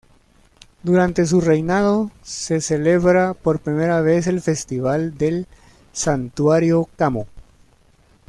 Durante su reinado, se celebra por primera vez el Festival del Santuario Kamo.